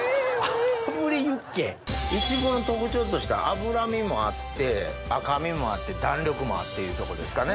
イチボの特徴としては脂身もあって赤身もあって弾力もあっていうとこですかね。